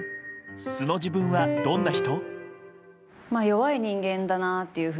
素の自分はどんな人？